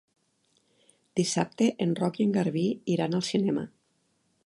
Dissabte en Roc i en Garbí iran al cinema.